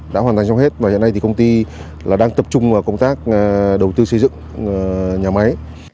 đã hoàn thành trong hết và hiện nay thì công ty đang tập trung vào công tác đầu tư xây dựng nhà máy